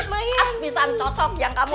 kasih pisan yang cocok yang kamu